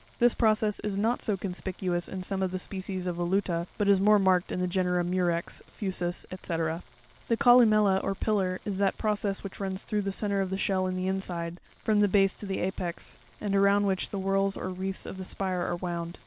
'This process is not so conspicuous in some of the species of Voluta, but is more marked in the genera Murex, Fusus, &c. The columella or pillar, is that process which runs through the centre of the shell in the inside, from the base to the apex, and around which the whorls or wreaths of the spire are wound (fig.